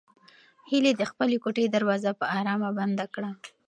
هیلې د خپلې کوټې دروازه په ارامه بنده کړه.